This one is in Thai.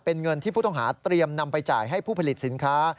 เป็นเงินที่ผู้ต้องหาเตรียมนำไปจ่ายให้ผู้ผลิตสินค้า